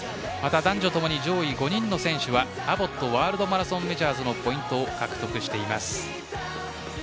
男女ともに上位５人の選手はアボットワールドマラソンメジャーズのポイントを獲得しています。